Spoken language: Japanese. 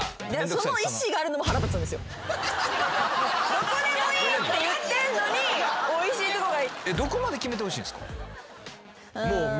どこでもいいって言ってんのにおいしいとこがいい。